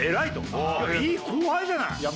いい後輩じゃない！